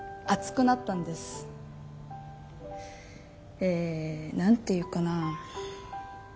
え何て言うかな。